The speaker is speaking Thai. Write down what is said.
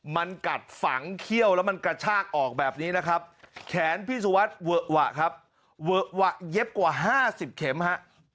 มันกัดฝังเขี้ยวแล้วมันกระชากออกแบบนี้นะครับแขนพี่สุวัสดิเวอะหวะครับเวอะวะเย็บกว่า๕๐เข็มฮะ